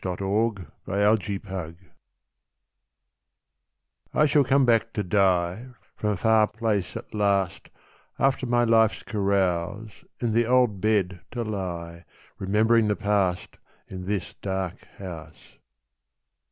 147 IN THIS DARK HOUSE I shall come back to die From a far place at last After my life's carouse In the old bed to lie, Remembering the past In this dark house.